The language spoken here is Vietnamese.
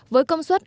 với công suất